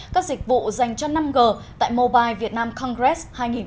các dịch vụ dành cho năm g tại mobile vietnam congress hai nghìn một mươi chín